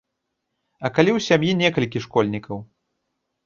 А калі ў сям'і некалькі школьнікаў?